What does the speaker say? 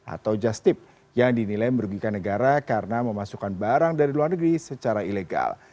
atau just tip yang dinilai merugikan negara karena memasukkan barang dari luar negeri secara ilegal